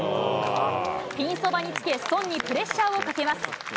ピンそばにつけ、ソンにプレッシャーをかけます。